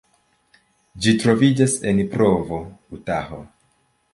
Ĝi troviĝas en Provo, Utaho.